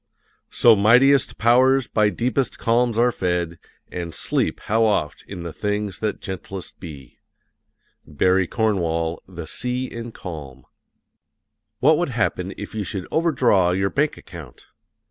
So mightiest powers by deepest calms are fed, And sleep, how oft, in things that gentlest be! BARRY CORNWALL, The Sea in Calm. What would happen if you should overdraw your bank account?